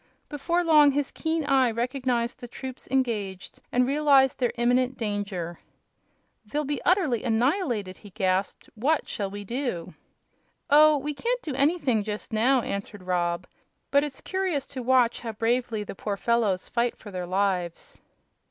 Before long his keen eye recognized the troops engaged and realized their imminent danger. "They'll be utterly annihilated!" he gasped. "What shall we do?" "Oh, we can't do anything just now," answered Rob. "But it's curious to watch how bravely the poor fellows fight for their lives."